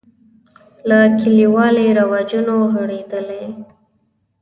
له کلیوالي رواجونو غړېدلی.